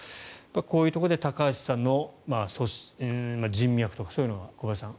こういうところで高橋さんの人脈とかそういうのが小林さん